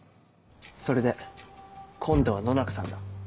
それで今度は野中さんだ。